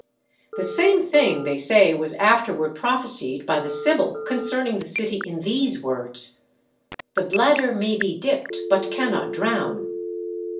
The same thing they say was afterward prophesied by the Sibyl concerning the city, in these words: "The bladder may be dipped, but cannot drown."